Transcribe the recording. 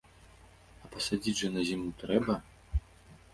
А пасадзіць жа на зіму трэба.